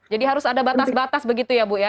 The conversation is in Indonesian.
jadi harus ada batas batas begitu ya bu ya